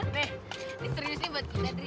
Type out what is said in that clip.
ini seriusnya buat kita ri